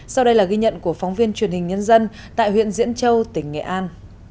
sau đây là ghi nhận của phóng viên truyền hình nhân dân tại huyện diễn châu tỉnh nghệ an